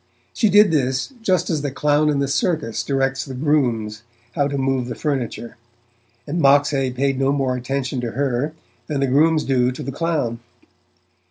She did this just as the clown in the circus directs the grooms how to move the furniture, and Moxhay paid no more attention to her than the grooms do to the clown.